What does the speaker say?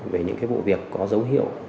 về những cái vụ việc có dấu hiệu